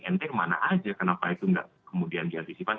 ente kemana saja kenapa itu tidak kemudian diantisipasi